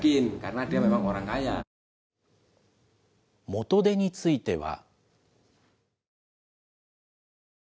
元手については。